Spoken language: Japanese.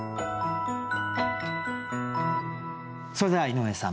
それでは井上さん